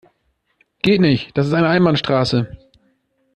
Geht nicht, das ist eine Einbahnstraße.